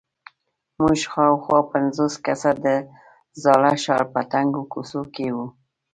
موږ شاوخوا پنځوس کسه د زاړه ښار په تنګو کوڅو کې وو.